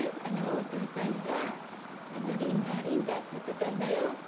お父さんは「リンダリンダ」って言ってたんだよって。